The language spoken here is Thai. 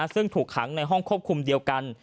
ซึ่งถูกขังในห้องควบคุมเดียวกัน